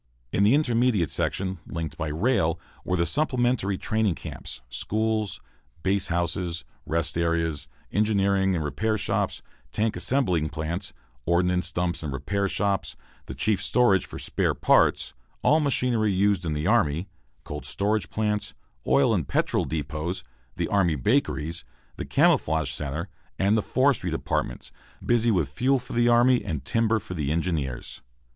In the intermediate section, linked by rail, were the supplementary training camps, schools, base hospitals, rest areas, engineering and repair shops, tank assembling plants, ordnance dumps and repair shops, the chief storage for "spare parts," all machinery used in the army, cold storage plants, oil and petrol depots, the army bakeries, the camouflage centre, and the forestry departments, busy with fuel for the army and timber for the engineers.